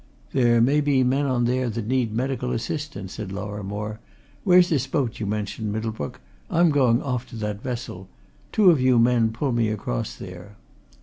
"There may be men on there that need medical assistance," said Lorrimore. "Where's this boat you mentioned, Middlebrook? I'm going off to that vessel. Two of you men pull me across there."